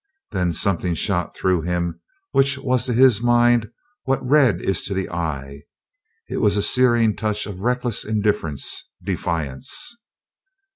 Then something shot through him which was to his mind what red is to the eye; it was a searing touch of reckless indifference, defiance.